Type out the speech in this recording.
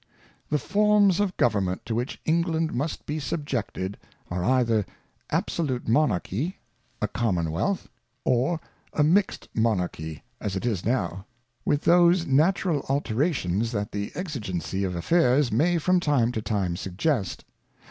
The Forms of Government to which England must be sub jected, are either Absolute Monarchy, a Commonwealth, or a Mixt Monarchy, as it is now ; with those natural Alterations that the Exigency of Affairs may from time to time suggest.